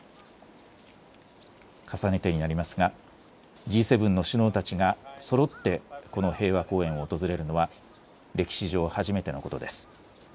重ねてになりますがＧ７の首脳たちがそろってこの平和公園を訪れるのは歴史上初めてのことです。